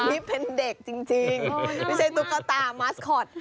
ไม่ใช่ตุ๊กกะตามัสคอต